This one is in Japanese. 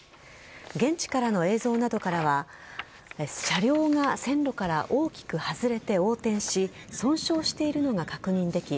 現地からの映像などからは車両が線路から大きく外れて横転し損傷しているのが確認でき